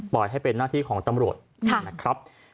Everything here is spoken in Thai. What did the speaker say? ให้เป็นหน้าที่ของตำรวจนะครับ